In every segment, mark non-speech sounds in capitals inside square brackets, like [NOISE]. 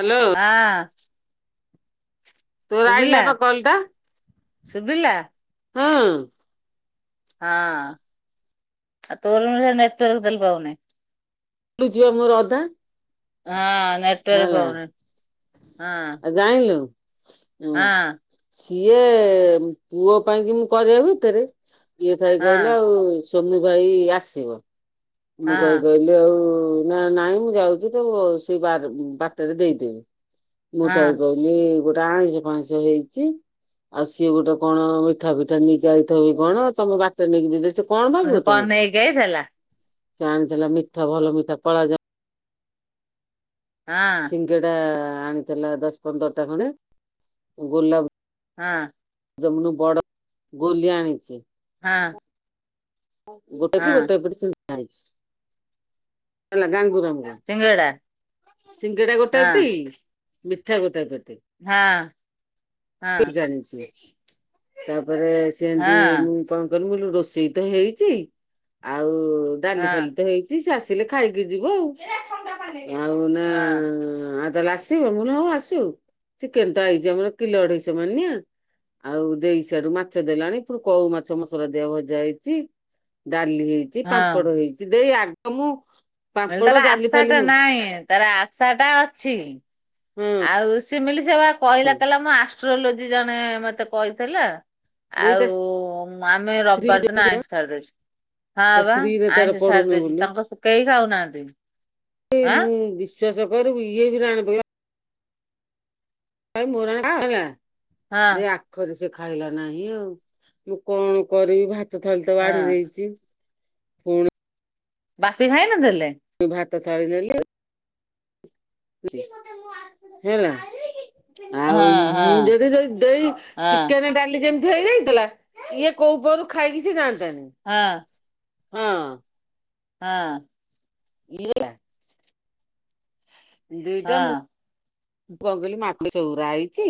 Hello. ଆଁ। ତୋ ଶୁଭିଲା ଆଇଲା ବା କଲ ଟା ଶୁଭିଲା ହୁଁ। ହଁ ଆ ତୋ ରୁମରେ ନେଟୱର୍କ ତାହେଲେ ପାଉନେଇ। ମୁଁ ଯିଓ ମୋର ଅଧା ହଁ ନେଟୱର୍କ ହେଲା ପାଉନି ହଁ। ଜାଣିଲୁ। ହଁ। ସିଏ ପୁଅ ପାଇଁ କି ମୁଁ କରିବା ଭିତରେ ଇଏ ଥାଇ ହଁ କହିଲେ ଆଉ ସୋନୁ ଭାଇ ଆସିବ ମୁଁ କହି କହିବି ଯଉ ନା ନାଇଁ ମୁଁ ଯାଉଛି ତ ସେଇ ବା ବାଟରେ ଦେଇଦେବି। ମୁଁ ଥାଇ ହଁ କହିଲି ଗୋଟେ ଆଇଁଷ ଫାଇଂଶ ହେଇଚି ଆଉ ସିଏ ଗୋଟେ କଣ ମିଠା ଫିଠା ନେଇକି ଆଇଥିବ କି କଣ ତମ ବାଟରେ ନେଇକି ଦେଲେ ସେ ଆଉ କଣ ନେଇକି ଅଇଥିଲା। ସେ ଆଣିଥିଲା ମିଠା ଭଲ ମିଠା କଳା ଯାମୁ ହଁ ସିଙ୍ଗେଡ଼ା ଆଣିଥିଲା ଦଶ ପନ୍ଦର ଟା ଖଣ୍ଡେ ଅ ଗୋଲାପ ହଁ। ଜମନୁ ବଡ ଗୋଲିଆ ଆଣିଚି ହଁ। ଗୋଟେ ହଁ କି ଗୋଟେ ଏପଟେ ସୂ ଆଣିଚି [INAUDIBLE] ହେଲା ଗାଙ୍ଗୁରମର। ଶିଙ୍ଗେଡା। ସିଙ୍ଗେଡା ଗୋଟେ ପେଟି ମିଠା ଗୋଟାଏ ପେଟି। ହଁ ହଁ [UNINTELLIGIBLE] ଆଣିଛି ତାପରେ ସେମିତି ହଁ ମୁଁ କଣ କଲି ମୁଁ ରୋଷେଇ ତ ହେଇଛି ଆଉ ଡାଲି ହଁ ଫାଲି ତ ହେଇ ଚି ଆସିଲେ ଖାଇକି ଯିବ ଆଉ ଆଉ ନା ହଁ ଆଉ ତାହାଲେ ଆସି ଆସିବ ମୁଁ କହିଲି ହଉ ଆସୁ ଚିକେନ୍ ତ ଆଇଚି ଆମର କିଲୋ ଅଢେଇସ ମାନିଆ। ଆଉ ଦେଇ ସିଆଡୁ ମାଛ ଦେଲାଣି ପୁଣି କଉ ମାଛ ମସଲା ଦିଆ ଭଜା ହେଇଚି। ଡାଲି ହେଇଚି ହଁ ପାମ୍ପଡ଼ ହେଇଚି ଦେଇ ଆଗ ମୁଁ ମୁଁ କହିଲି ପାମ୍ପଡ ତାର ଡାଲି ଆଶା ଫାଲି ଟା ମୁଁ ନାଇଁ ତାର ଆଶା ଟା ଅଛି। ହୁଁ। ଆଉ ସିମିଲି ସେ ବା କହିଲା କହିଲା ଆଷ୍ଟ୍ରୋଲୋଜି ଜଣେ ମତେ କହିଥିଲା। ଦେଇ ତା ଆଉ ଆମେ ସ୍ତ୍ରୀ ରବିବାର ଦିନ ଆଇଁଷ ଛାଡି ଦେଇଚୁ। ହଁ ତା ପା ସ୍ତ୍ରୀରେ ତାର ଆଇଁଷ ଛାଡି ପଡୁନି ଦେଇଚୁ ବୋଲି ତାଙ୍କ କେହି ଖାଉନାହାନ୍ତି। ହେ ଆଁ ମୁଁ ବିଶ୍ଵାସ କରୁ ଇଏ [UNINTELLIGIBLE] ହେ ମେ ରାଣ [UNINTELLIGIBLE] ହଁ ତାପରେ ସେ ଖାଇଲା ନାହିଁ ଆଉ ମୁଁ କଣ କରିବି ଭାତ ଥାଳି ତ ବାଢି ହଁ। ଦେଇଚି ବାପି ଖାଇନଥିଲେ? ମୁ ଭାତ ଥାଳି ନେଲି ହେଲା ହଁ ଆଉ ହଁ ମୁଁ ଯଦି ଦେ ଦେଇ ହଁ ଚିକେନ୍ ଡାଲି ଯେମିତି ହେଇଯାଇଥିଲା ଇଏ କୋଉପଅରୁ ଖାଇକି ସେ ଯାଆନ୍ତାନି। ହଁ। ହଁ। ହଁ। [UNINTELLIGIBLE] ଦୁଇଟା ମୁ ହଁ ବଗଲି ମାଟି ଚଉରା ହେଇଛି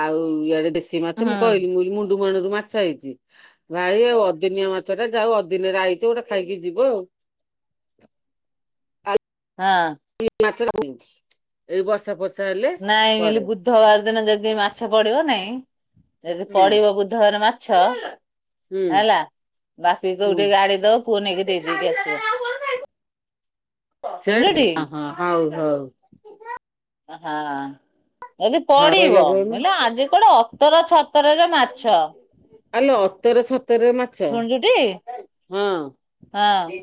ଆଉ ଇଆଡେ ଦେଶ ଦେଶୀ ମାଛ ମୁଁ ହୁଁ କହିଲି ମୁଁ କଇଲି ମୁଣ୍ଡୁ ମୁହାଣଣ୍ଡରୁ ମାଛ ହେଇଛି। ଭାଇ ଆଉ ଅଦିନିଆ ମାଛଟା ଯାହଉ ଅଦିନରେ ଆଇଛି ଗୋଟେ ଖାଇକି ଯିବ ଆଉ। ହଁ। [UNINTELLIGIBLE] ଏ ବର୍ଷା ଫର୍ଷା ହେଲେ ନାଇଁ ମୁଁ କହିଲି ପରେ ବୁଧବାର ଦିନ ଯଦି ମାଛ ପଡିବ ନାଇଁ ଯଦି ହୁଁ ପଡିବ ବୁଧବାର ମାଛ ହୁଁ। ହେଲା ବାପି କହିବୁ ହୁଁ ଟିକେ ଆଣିକି ଦବ ପୁଅ ନେଇକି ଦେଇଦେଇକି ଆସିବ। ଶୁଣୁଛୁଟି ହଉ ହଉ। ହଁ ମୁଁ କହିଲି ହଉ କହିଲା ପଡିବ କହୁନୁ। ବିଲେ ଆଜି କୁଆଡେ ଅତର ଛ [UNINTELLIGIBLE] ମାଛ ଆଲୋ ଅତର ଛତରେ ମା ଚା ଶୁଣୁଛୁଟି ହଁ। ହଁ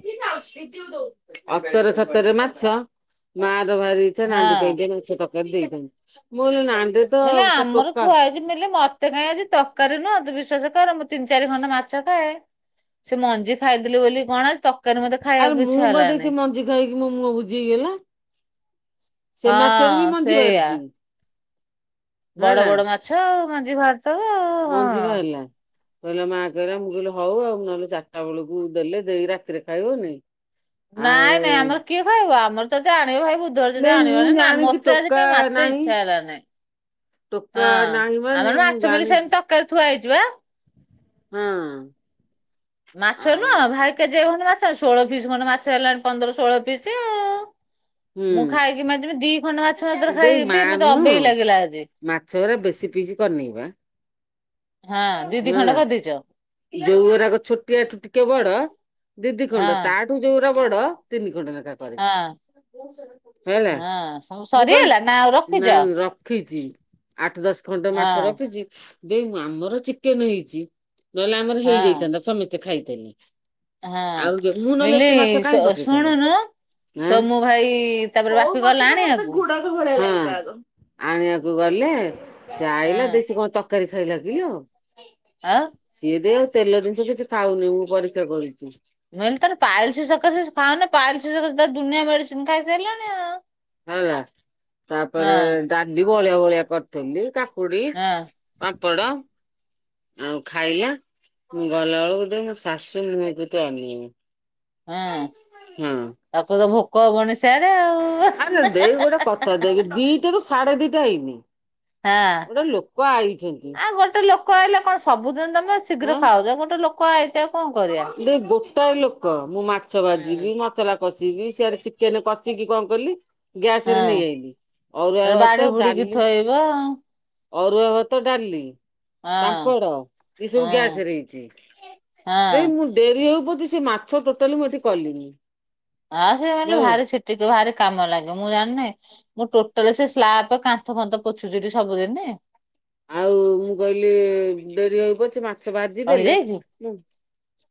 ଅତର ଛତରେ ମାଛ ମା ର ଭାରି ଇଛା ନାଣ୍ଡି ଦେଇ ହଁ। କି ମାଛ ପ ତାକୁ ଦେଇ ଦବୁ ମୁଁ କହିଲି ନାଣ୍ଡୁ ମୁଁ କହିଲି ଆମର ଥୁଆହେଇଚି ବେଲି ମତେ କାହିଁ ଆଜି ତରକାରୀ ନୁହ ବିଶ୍ବାସ କର ମୁଁ ତିନି ଚାରି ଖଣ୍ଡ ମାଛ ଖାଏ ସେ ମଞ୍ଜି ଖାଇଦେଲି ବୋଲି କଣ ତକାରୀ ମତେ ଆରେ ଖାଇବାକୁ ମୁଁ ଇଚ୍ଛା ବୋଧେ ହେଲାନି। ସେ ମଞ୍ଜି ଖାଇକି ମୋ ମୁହଁ ବୁଯି ହେଇଗଲା। ସେ ମାଛରୁ ବି ହଁ ମଞ୍ଜି ସେଇଆ ବାହାରୁଚି। ବଡ ବଡ ମାଛ ଆଉ ମଞ୍ଜି ବାହାରୁ ମଞ୍ଜିି ବାହାରିଲା। କହିଲା ମା କହିଲା ମୁଁ କହିଲି ହଉ ଆଉ, ନହେଲେ ଚାରିଟା ବେଳକୁ ଦେଲେ ଦେଇ ରାତିରେ ଖାଇବନି। ନାଇଁ ଆଉ ନାଇଁ ଆମର କିଏ ଖାଇବ, ଆମର ତ ଯାହା ଆଣିବୁ ଭାରି ଭୋ [UNINTELLIGIBLE] ନାଇଁ ମୁଁ ଆଣିବାନି ନା ଜାଣିଛି ମତେ ଆଜି ଟୋକା କାଇଁ ମାଛ ନାହିଁ। ଇଚ୍ଛା ହେଲାନି। ଟୋକା ହଁ ନାହିଁ ମାନେ ଆମର ମୁଁ ମାଛ ମିଲ ଜାଣିଛି ସେମିତି ତରକାରୀ ଥୁଆ ହେଇଛି ବା। ହଁ। ମାଛ ଆଉ ନୁହ ଭାଇ କେଜିଏ ଖଣ୍ଡେ ମାଛ ଷୋହଳ ପିସ୍ ଖଣ୍ଡେ ମାଛ ହେଲାଣି ପନ୍ଦର ଷୋହଳ ପିସ୍ ଆଉ। ମୁଁ ଖାଇକି ମାଜିବି ଦି ଖଣ୍ଡ ମାଛ ମାତ୍ର ହୁଁ ଦେଇ ଖାଇକି ବି ମାର ମତେ ନୁହଁ ଅବେଇ ଲାଗିଲା ଆଜି। ମାଛ ହେରା ବେଶୀ ପିସ୍ କରିନେଇବା। ହଁ ଦି ଦି ଖଣ୍ଡ କରିଦେଇଚ। ଯୋଉ ଗୁରାକ ଛୋଟିଆଠୁ ଟିକେ ବଡ ଦି ଦି ଖଣ୍ଡ ହଁ ତା ଠୁ ଯୋଉାରା ବଡ ତିନି ଖଣ୍ଡ ନେଖା। ହଁ। ହେଲା। ହଁ ସବୁ ମୁଁ ସରିଗଲା ନା ଆଉ କହିଲି ରଖିଛ ନାଇଁ ରଖିଚି ଆଠ ଦଶ ଖଣ୍ଡ ହଁ ମାଛ ରଖିଚି। ଦେଇ ମୁ ଆମର ଚିକେନ ହେଇଚି ନହେଲେ ଆମର ହଁ ହେଇଯାଇଥାନ୍ତା ସମସ୍ତେ ଖାଇଥିଲେ। ହଁ ଆଉ ଯେ- ମୁଁ ନହେଲେ ମିଲି ଏତେ ମାଛ କାହିଁ ଶୁ ପକେଇଥାନ୍ତି ଶୁଣୁନୁ। ଆଁ। ସୋମୁ ଭାଇ ତାପରେ ବାପି ଗଲା ଆଣିଆକୁ। ହ ଆଣିବାକୁ ଗଲେ ସେ ଆଇଲା ହଁ ଦେଶି କଣ ତ କାରି ଖାଇଲା ଗିିଲ। ଆଉ ସିଏ ଦିଏ ତେଲ ଜିନିଷ କିଛି ଖାଉନି ମୁଁ ପରୀକ୍ଷା କରୁଛି। ନହିଲ ତା ପାଇଲସ ସକାଶେ ଖାଉନି। ପାଇଲସ ସକାଶେ ସେ ଦୁନିଆ ମେଡିସିନ ଖାଇ ସାଇଲାଣି ଆଉ। ହେଲା ତାପରେ ହଁ ଡାଲି ବଭଳିଆ ବଭଳିଆ କରିଥିଲି। କାକୁଡି ହଁ ପାମ୍ପଡ ଆଉ ଖାଇଲା ମୁଁ ଗଲା ବେଳକୁ ତ ମୁଁ ଶାଶୁ ମୁଁହକୁ ତ ଅନେଇନି। ହୁଁ ତାପରେ ତ ଭୋକ ହବଣୀ ସିଆଡେ ଆଉ। ଆରେ ଦେଇ ଗୋଟେ କଥା ଦେଖ୍ ଦିଟାରୁ ସାଢେ ଦିଟା ହେଇନି। ହଁ ଗୋଟେ ଲୋକ ଆଇଛନ୍ତି ଆ ଗୋଟେ ଲୋକ ଆଇଲା କଣ ସବୁଦିନ ତମେ ଶୀଘ୍ର ଖାଉଛ। ଗୋଟେ ଲୋକ କ ଆଇଚି ଆଉ କଣ। କରିବା। ଦେଇ ଗୋଟାଏ ଲୋକ ମୁଁ ମାଛ ହୁଁ। ଭାଜିବି, ମ ମସଲା କଷିବି ସିଆଡେ ଚିକେନ କଷିକି କଣ କଲି। ଗ୍ୟାସରେ ନେଇ ଆଇଲି। ଅରୁଆ ହଁ ବାଡି ଭାତ, ଡାଲି ବୁଡିକି ଥୋଇବ ହଁ ଅରୁଆ ଭାତ, ଡାଲି ପାମ୍ପଡ, ଏସବୁ ହଁ। ଗ୍ୟାସରେ ହେଇଛି। ଦେଇ ହଁ ମୁଁ ଡେରି ହଉ ପଛେ ସେ ମାଛ ଟୋଟାଲି ମୁଁ ଏଠି କଲିନି। ହଁ ସେ ମିଲ ହଉ ଭାରି ଛିଟିକୁ ଭାରି କାମ ଲାଗେ ମୁଁ ଜାଣିନି। ମୁଁ ଟୋଟାଲ ସେ ସ୍ଲାବ କାନ୍ଥ ଫାନ୍ଥ ପୋଚୁଛି ଏ ଠିସବୁଦିନ। ଆଉ ମୁଁ କହିଲି ଡେରି ହେଉ ପଛେ ମାଛ ଚଢି ଭାଜିଦେଲେ। ଯାଇଛି। ମୁଁ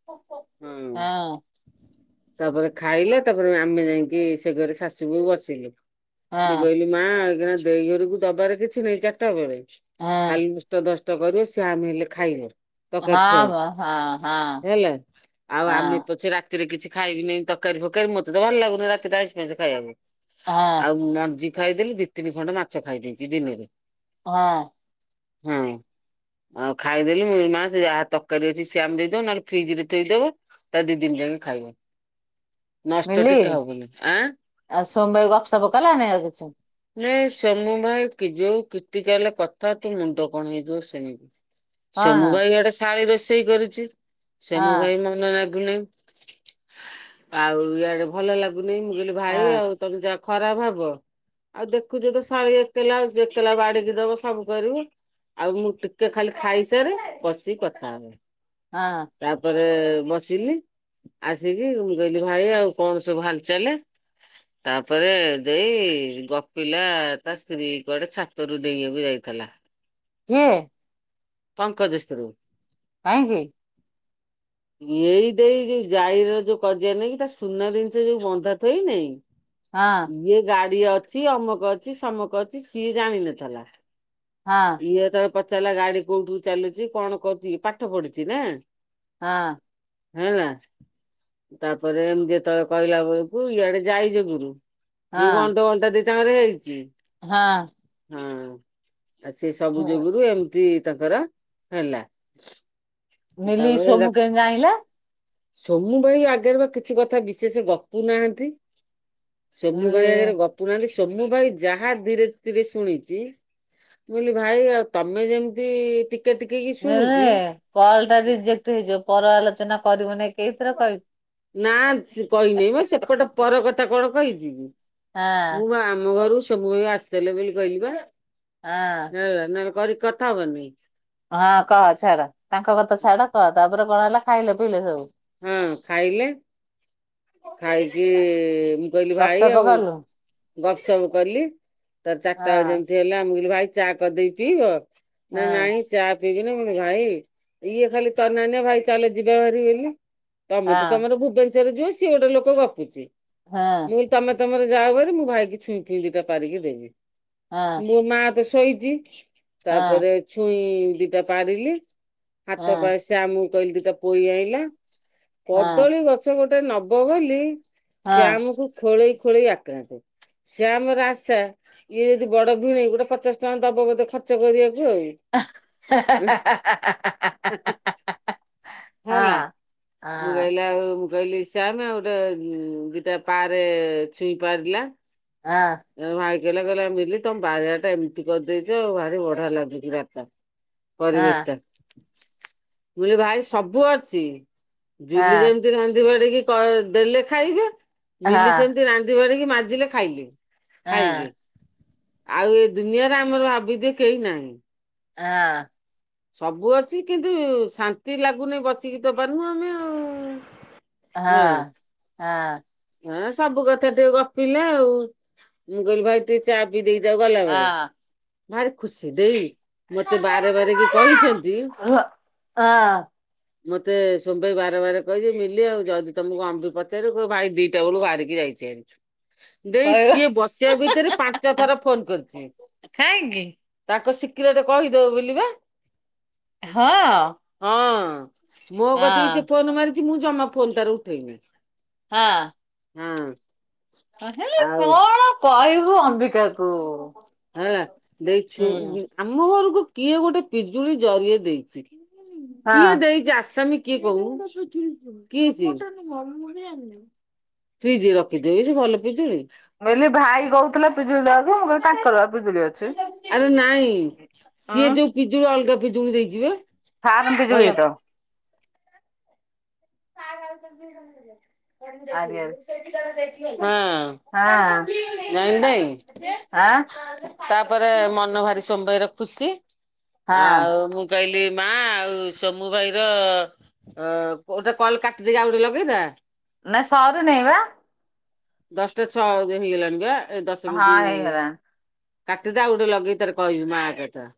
ହଁ ହୁଁ ତାପରେ ଖାଇଲେ ତାପରେ ଆମେ ଯାଇକି ସେ ଘରେ ଶାଶୁ ବହୁ ବସିଲୁ। ହଁ ଇଏ କହିଲେ ମା ଏକ୍ଷୀଣଆ ଦେଇ ଘରକୁ ଦବାର କିଛି ନାଇଁ ଚାରିଟା ବେଳେ। ହଁ କାଲି ତ ଦଷ୍ଟ କରିବୁ ସିଏ ଆମେ ହେଲେ ଖାଇବ। ତ ହଁ କରିଥାଉ ବା ହଁ ହଁ। ହେଲା ଆଉ ହଁ ଆମେ ପଛେ ରାତ। ରାତିରେ କିଛି ଖାଇବି ନାଇଁ ତରକାରୀ ଫକାରୀ ମତେ ତ ଭଲ ଲାଗୁନି ରାତିରେ ଆଇଁଷ ଫାଇଂଶ ଖାଇବାକୁ। ହଁ ଆଉ ମଞ୍ଜି ଖାଇଦେଲି ଦି ତିନି ଖଣ୍ଡ ମାଛ ଖାଇଦେଇଛି ଦିନିରେ। ହଁ ଆଉ ଖାଇଦେଲି ମୁଁ କହିଲି ମା ଯାହା ତରକାରୀ ଅଛି ସେ ଆମେ ଦେଇଦବ ନହେଲେ ଫ୍ରିଜରେ ଥୋଇଦବ। ତା ଦି ଦିନ ଯାଇକି ଖାଇବ। ନଷ୍ଟ ମିଲି ଟିକେ ହବନି ଆଁ। ଆଉ ସୋମବାଇ ଗପସପ କଲାନି ଆଉ କିଛି। ନାଇଁ ସୋମୁ ଭାଇ କି ଯୋଉ କିଟିକାଲ କଥା ତୋ ମୁଣ୍ଡ କଣ ହେଇଯିବ ଶୁଣିକି। କଣ ସୋମୁ ଭାଇ ଇଆଡେ ଶାଳୀ ରୋଷେଇ କରୁଛି। ସୋମୁ ହଁ ଭାଇ ମନ ଲାଗୁନି। ଆଉ ଇଆଡେ ଭଲ ଲାଗୁନି ମୁଁ କହିଲି ଭାଇ ହଁ ଆଉ ତମେ ଯାହା ଖରାପ ଭାବ। ଆଉ ଦେଖୁଛୁ ତ ଶାଳୀ ଏକଲା ଏକେଲା ବାଡିକି ଦବ ସବୁ କରିବୁ। ଆଉ ମୁଁ ଟିକେ ଖାଲି ଖାଇସାରେ ବସିକି କଥା ହେବି। ହଁ ତାପରେ ବସିଲି ଆସିକି ମୁ କହିଲି ଭାଇ ଆଉ କଣ ସବୁ ହାଲ ଚାଲେ? ତାପରେ ଦେଇ ଗପିଲା ତା ସ୍ତ୍ରୀ କୁଆଡେ ଛାତରୁୁ ଡେଇଆକୁ ଯାଇଥିଲା। କିଏ? ପଙ୍କଜ ଶ୍ରୀ କାହିଁକି? ଏଇ ଦେଇ ଯୋଉ ଯାଇର ଯୋଉ କଜିଆ ନେଇକି ତା ସୁନା ଜିନିଷ ଯୋଉ ବନ୍ଧା ଥୋଇ ନାଇଁ ହଁ ଇଏ ଗାଡି ଅଛି ଅମକ ଅଛି ସମକ ଅଛି ସିଏ ଜାଣିନଥିଲା ହଁ ଇଏଯେତେବେଳେ ପଚାରିଲା ଗାଡି କୋଉଠୁ ଚାଲୁଛି କଣ କରୁଛି ପାଠ ପଢିଚି ନା ହଁ। ହେଲା। ତାପରେ ଏମିତି ଯେତେବେଳେ କହିଲା ବେଳକୁ ଇଆଡେ ଯାଇଜଗୁରୁ ଯୋଉ ହଁ [INAUDIBLE] ହଁ। ହଁ। ସେ ସବୁ ଯୁଗୁରୁ ଏମିତି ତାଙ୍କର ହେଲା। ତା ମିଲି ସୋମୁ ପ କେମିତି ଜାଣିଲା ସୋମୁ ଭାଇ ଆଗରେ ବା କିଛି କଥା ବିଶେଷ ଗପୁ ନାହାନ୍ତି। ସୋମୁ ମିଲି ଭାଇ ଆଗରେ ଗପୁ ନାହାନ୍ତି ସୋମୁ ଭାଇ ଯାହା ଧୀରେ ଧୀରେ ଶୁଣିଛି ମୁଁ କହିଲି ଭାଇ ଆଉ ତମେ ଯେମିତି ଟିକେ କି ନ ଶୁଣୁଛୁ କଲ ଟା ରିଜେକ୍ଟ ହେଇଯିବ ପର ଆଲୋଚନା କରିବୁନେଇ ନା କହିନେହିଁ ପା ସେପଟେ ପର କଥା ତା କଣ କହିଚିକି ହଁ ମୁଁ ଆମ ଘରୁ ସବୁବେଳେ ଆସିଥିଲେ ବୋଲି କହିଲି ପା। ଆ ହେଲା ନହେଲେ କରିକି କଥା ହବନି। ହଁ କହ ଛାଡ ତାଙ୍କ କଥା ଛାଡ କହ ତାପରେ କଣ ହେଲା ଖାଇଲେ ପିଇଲେ ସବୁ। ହଁ ଖାଇଲେ ଖାଇକି କହିଲି ଭାଇ ଗପସପ ଆଉ କଲୁ ଗପ୍ ସପ୍ କଲି ତାର ଚାରିଟା ବାଜିଲା ହଁ ଯେମିତି ହେଲା ମୁ କହିଲି ଭାଇ ଚା କରିଦେବି ପିଇବ ନା ହଁ ନାଇଁ ଚା ଦିଦିନ ମୁଁ କହିଲି ଭାଇ ଇଏ ଖାଲି ତନାନୀ ଭାଇ ଚାଲ ଯିବା ଭାରି ବୋଲି। ତମେ ତ ହଁ ତମର ଭୁବନେଶ୍ଵରରେ ଯିବ ସିଏ ଗୋଟେ ଲୋକ ଗପୁଚି। ହଁ। ମୁଁ କହିଲି ତମେ ତମର ଯାଅ ବାରି ମୁଁ ଭାଇକି ଛୁଇଁ ଫୁଇଁ ଦୀ ଟା ପାରିକି ଦେବି। ହଁ ମୋ ମା ତ ଶୋଇଛି ହଁ ତାପରେ ଛୁଇଁ ଦିଟା ପାରିଲି ହାତ ହଁ ପା ଶ୍ୟାମକୁ କହିଲି ଦିଟା ପୋଇ ଆଇଁଲା। ହଁ କଦଳୀ ଗଛ ଗୋଟେ ନବ ବୋଲି ହଁ ଶ୍ୟାମ କୁ ଖୋଳେଇ ଖୋଳେଇ ଆକ୍ରାନ୍ତ ଶ୍ୟାମ ରାସ ଇଏ ଯଦି ବଡ ଭିଣେଇ ଗୋଟେ ପଚାଶ ଟଙ୍କା ଦବ ବୋଧେ ଖର୍ଚ କରିବାକୁ ଆଉ। [UNINTELLIGIBLE] ହ ନା। ମୁଁ ହଁ କହିଲି ଆଉ ମୁଁ କହିଲି ଶ୍ୟାମ ଆଉ ଗୋଟେ ଦିଟା ପାରେ ଛୁଇଁ ପାରିଲା। ଆ ଭାଇକହିଲା ମିଲି ତମ ବାରିଆ ଟା ଏମିତି କରିଦେଇଛ ଆଉ ଭାରି ବଢିଆ ଲାଗୁଛି ରା ତା। ହଁ ପରିବେଶ ଟା ମୁ କହିଲି ଭାଇ ସବୁ ଅଛି। ଜୁଲି ହଁ ଯେମିତି ରାନ୍ଧି ବାଡିକି କ ଦେଲେ ଖାଇବେ ମିଲି ସେମିତି ରାନ୍ଧି ବାଡିକି ମାଜିଲେ ଖାଇଲେ ଖାଇଲେ ଆଉ ଏ ଦୁନିଆରେ ଆମର ଆବଦ କେହି ନାହିଁ। ଆଁ। ସବୁ ଅଛି କିନ୍ତୁ ଶାନ୍ତି ଲାଗୁନି ବସିକି ତ ପାରୁନୁ ଆମେ ଆଉ। ହଁ ହଁ। ହଁ ସବୁ କଥା ଟିକେ ଗପିଲେ ଆଉ ମୁଁ କହିଲି ଭାଇ ଟିକେ ଚା ପି ଦେଇ ଯାଉ ଗଲାବେଳେ ଭାରି ଖୁସି ଦେଇ ମତେ ବାର ବାରେ କି କହିଛନ୍ତି। ଅ। ମତେ ସୁମବାଇ ବାର ବାର କହିଛିି ମିଲି ଆଉ ଯଦି ତମକୁ ଅମ୍ୱି ପଚାରିବ ଭାଇ ଦି ଟା ବେଳୁ ବାହାରିକି ଯାଇଛି ହାରି। ଦେଇ କହିବ ସିଏ ବସିବା ଭିତରେ ପାଞ୍ଚ ଥର ଫୋନ କରିଛି। କାହିଁକି ତାଙ୍କ ସିକ୍ରେଟ କହିଦଅ ବୋଲିବା। ହ। ହଁ ମୋ କତିକି ସେ ଫୋନ ମାରିଛି ମୁଁ ଜମା ଫୋନ ତାର ଉଠେଇନି। ହଁ। ଆଁ, ଆ, ହେଲେ କଣ କହିବୁ ଅମ୍ବିକା କୁ। ଆଁ, ଦେଖି ଗୁଁ, ଆମ ଘରକୁ କିଏ ଗୋଟେ ପିଜୁଳି ଜରିଏ ଦେଇଛି। ହଁ ମୁଁ କିଏ ଦେଇଚି ଆସାମୀ କିଏ କୋଉ, କିଏ ସେ ଫ୍ରୀଜ୍ ରେ ରଖିଦେବି ସେ ଭଲ ପିଜୁଳି। ମୁଁ କହିଲି ଭାଇ କଉଥିଲା ପିଜୁଳି ଦବାକୁ ମୁଁ କିହି ତାଙ୍କର ପା ପିଜୁଳି ଅଛି। ଆରେ ନାଇଁ ଅଁ, ସିଏ ଯୋଉ ପିଜୁଳି ଅଲଗା ପିଜୁଳି ଦେଇଚି ବା। ଫାରମ ପିଜୁଳି ହେଇଥିବ। ହଁ। ଆରିଆରେ ହଁ ନାଇ, ନାଇ। ଆଁ ତାପରେ ମନ ଭାରି ସୋସ ବାଇର ଖୁସି। ହଁ ଆଉ ମୁଁ କହିଲି ମା ଆଉ ସୋମୁ ଭାଇର ଅ, ଗୋଟେ କଲ୍ କାଟିଦେଇ, ଆଉ ଗୋଟେ ଲଗେଇଦା। ନା ସରି ନେଇ ବା। ଦଶଟା ଛଅ ହେଇଗଲାଣି ବା। ଏ ଦଶ ହଁ ମିନଟି ହେଇଗଲାଣି କାଟିଦେ ଆଉ ଗୋଟେ ଲଗେଇ ତାର କଇବି ମା କଥା।